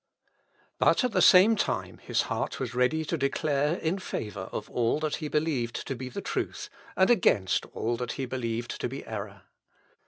But, at the same time, his heart was ready to declare in favour of all that he believed to be truth, and against all that he believed to be error.